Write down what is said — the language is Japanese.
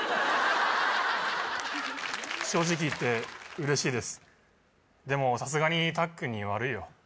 正直言って嬉しいですでもさすがにタッ君に悪いよ